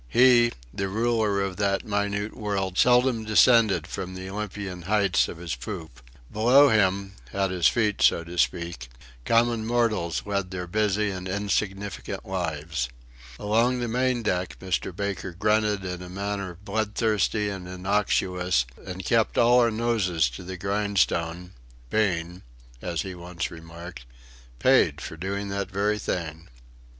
He, the ruler of that minute world, seldom descended from the Olympian heights of his poop. Below him at his feet, so to speak common mortals led their busy and insignificant lives. Along the main deck, Mr. Baker grunted in a manner bloodthirsty and innocuous; and kept all our noses to the grindstone, being as he once remarked paid for doing that very thing.